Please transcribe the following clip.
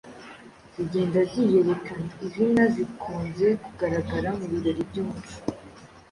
zigenda ziyerekana. izi nka zikunze kugaragara mu birori by'umuco